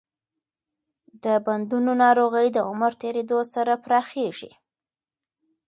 د بندونو ناروغي د عمر تېریدو سره پراخېږي.